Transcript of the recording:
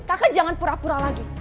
kakak jangan pura pura lagi